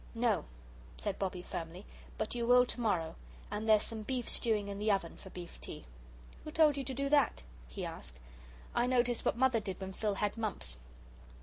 "No," said Bobbie, firmly, "but you will to morrow. And there's some beef stewing in the oven for beef tea." "Who told you to do that?" he asked. "I noticed what Mother did when Phil had mumps."